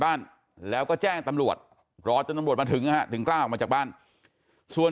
บ้านแล้วก็แจ้งตำรวจรอจนตำรวจมาถึงนะฮะถึงกล้าออกมาจากบ้านส่วน